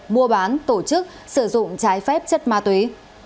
mua bán tổ chức sử dụng trái phép chất ma túy